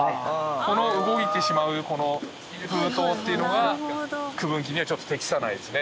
この動いてしまう封筒っていうのが区分機にはちょっと適さないですね。